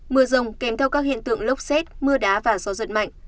mưa rông kèm theo các hiện tượng lốc xét mưa đá và gió giật mạnh